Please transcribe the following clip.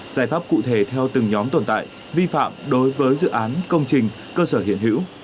giải pháp cụ thể theo từng nhóm tồn tại vi phạm đối với dự án công trình cơ sở hiện hữu